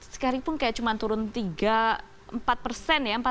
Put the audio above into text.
sekarang pun kayak cuma turun belakang ya ya